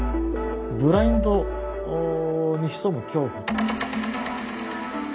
ブラインドに潜む恐怖。